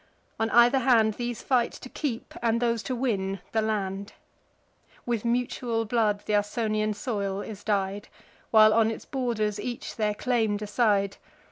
On either hand, These fight to keep, and those to win, the land. With mutual blood th' Ausonian soil is dyed, While on its borders each their claim decide.